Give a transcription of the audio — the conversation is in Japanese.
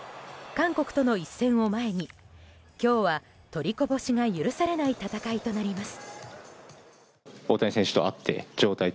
韓国との一戦を前に今日は取りこぼしが許されない戦いとなります。